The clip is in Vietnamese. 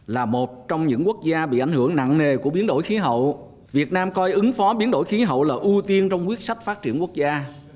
là một trong những quốc gia bị ảnh hưởng nặng nề của biến đổi khí hậu việt nam coi ứng phó biến đổi khí hậu là ưu tiên trong quyết sách phát triển quốc gia